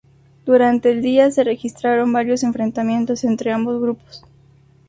Durante el día se registraron varios enfrentamientos entre ambos grupos.